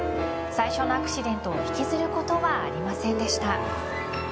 最初のアクシデントを引きずることはありませんでした。